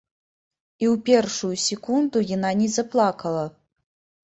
І ў першую секунду яна не заплакала.